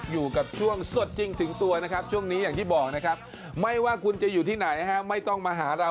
อยู่กับช่วงจิ้มถึงตัวช่วงนี้อย่างที่บอกไม่ว่าคุณจะอยู่ที่ไหนให้ไม่ต้องมาหาเรา